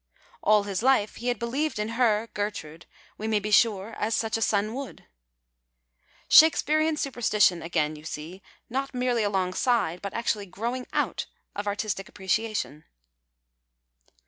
" All his life he had believed in her (Gertrude), we may be sure, as such a son would." Shakespearian supersti tion again, you see, not merely alongside but aetiuilly growing out of artistic a})preeiation.